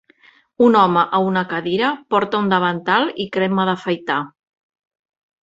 Un home a una cadira porta un davantal i crema d'afaitar